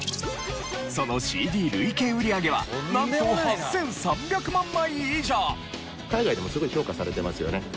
そのＣＤ累計売上はなんと８３００万枚以上！